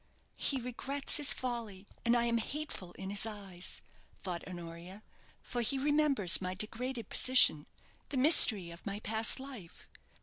"He regrets his folly, and I am hateful in his eyes," thought Honoria, "for he remembers my degraded position the mystery of my past life.